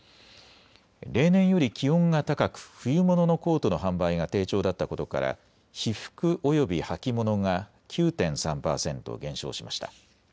例年より気温が高く冬物のコートの販売が低調だったことから被服および履物が９．３％減少しました。